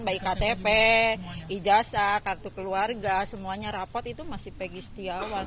baik ktp ijazah kartu keluarga semuanya rapot itu masih pegi setiawan